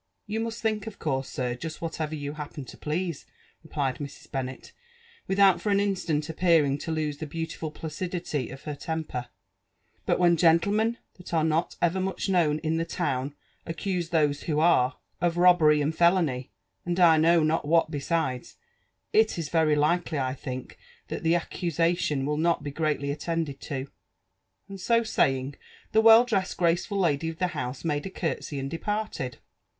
"'* You must thiiik of course, sir, }ust whatever you happen to |4eise," replied Mrs. Bonnet, without for an instant appearing to lose the beau tiful placidity of her temper; " but when gentlemen that are notevevs^ much ktoown in the town accuse those vho are, of robbery and felony, and I know not what besides, it is very Iikery, I thiok, that the aeeiii<^ setion will not be grelitly attended to/' And so saying, the weiUdressed, gmcefiil lady of the house made « curtsey and departed.